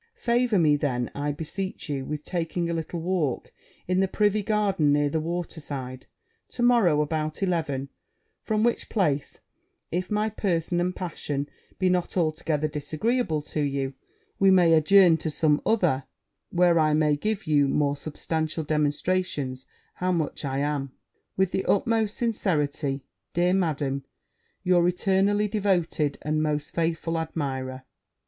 Favour me, then, I beseech you, with taking a little walk in the Privy Garden near the water side, to morrow about eleven; from which place, if my person and passion be not altogether disagreeable to you, we may adjourn to some other, where I may give you more substantial demonstrations how much I am, with the utmost sincerity, dear Madam, your eternally devoted, and most faithful admirer.